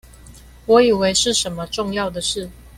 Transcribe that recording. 我以為是什麼重要的事